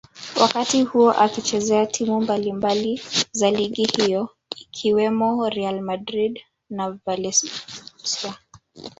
wakati huo akizichezea timu mbalimbali za ligi hiyo ikiwemo Real Madrid na Valencia